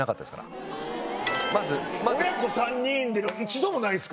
親子３人で一度もないんですか？